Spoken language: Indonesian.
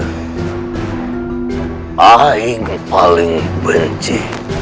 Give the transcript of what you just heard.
saya yang paling benci